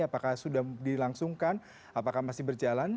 apakah sudah dilangsungkan apakah masih berjalan